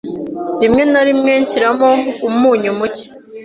Rimwe na rimwe nshyiramo umunyu muke.